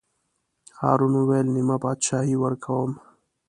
هارون وویل: نیمه بادشاهي ورکووم.